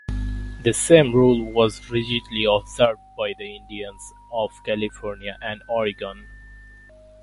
The same rule was rigidly observed by the Indians of California and Oregon.